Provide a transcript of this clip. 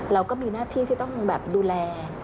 เราก็มีหน้าที่ที่ต้องแบบดูแล